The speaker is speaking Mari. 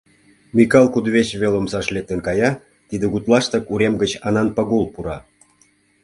Микал кудывече вел омсаш лектын кая, тиде гутлаштак урем гыч Анан Пагул пура.